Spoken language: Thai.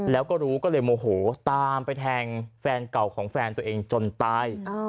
แล้วก็รู้ก็เลยโมโหตามไปแทงแฟนเก่าของแฟนตัวเองจนตาย